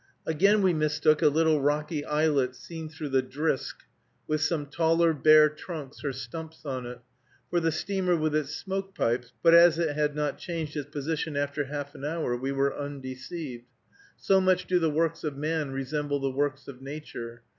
Again we mistook a little rocky islet seen through the "drisk," with some taller bare trunks or stumps on it, for the steamer with its smoke pipes, but as it had not changed its position after half an hour, we were undeceived. So much do the works of man resemble the works of nature.